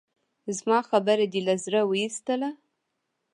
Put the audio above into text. زما خبره دې له زړه اوېستله؟